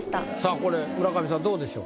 これ村上さんどうでしょう？